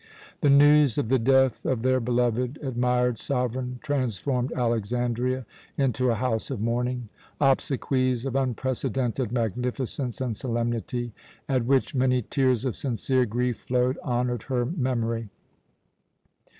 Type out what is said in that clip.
] The news of the death of their beloved, admired sovereign transformed Alexandria into a house of mourning. Obsequies of unprecedented magnificence and solemnity, at which many tears of sincere grief flowed, honoured her memory.